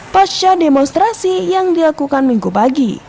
pasca demonstrasi yang dilakukan minggu pagi